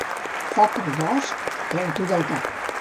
Foc al bosc? Treu-t'ho del cap.